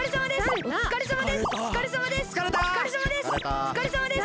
おつかれさまです！